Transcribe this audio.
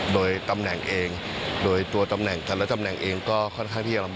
โดยตำแหน่งเองโดยตัวตำแหน่งแต่ละตำแหน่งเองก็ค่อนข้างที่จะลำบาก